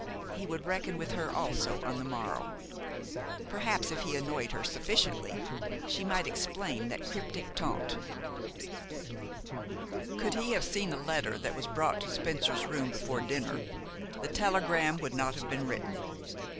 He would reckon with her also on the morrow. Perhaps, if he annoyed her sufficiently, she might explain that cryptic taunt. Could he have seen a letter that was brought to Spencer's room before dinner, the telegram would not have been written.